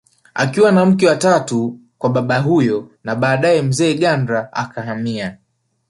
Akiwa ni mke wa tatu kwa baba huyo na badae mzee Gandla akahamia